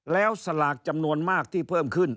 แล้วสลากจำนวนมากที่เพิ่มขึ้น